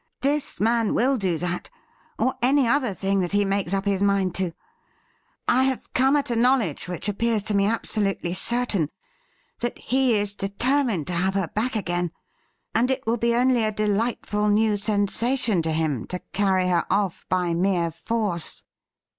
This man will do that, or any other thing that he makes up his mind to. I have come at a knowledge which appears to me absolutely certain that he is determined to have her back again, and it will be only a delightful new sensation to him to carry her off by mere force.'